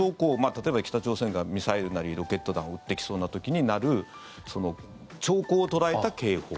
例えば、北朝鮮がミサイルなり、ロケット弾を撃ってきそうな時に鳴る兆候を捉えた警報。